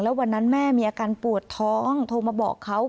วันนั้นแม่มีอาการปวดท้องโทรมาบอกเขา